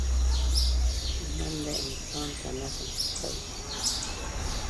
منډه انسان ته نظم ښيي